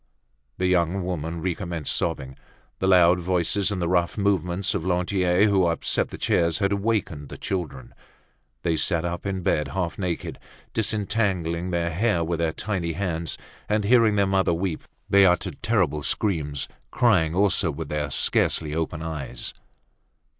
The young woman recommenced sobbing. The loud voices and the rough movements of Lantier, who upset the chairs, had awakened the children. They sat up in bed, half naked, disentangling their hair with their tiny hands, and, hearing their mother weep, they uttered terrible screams, crying also with their scarcely open eyes.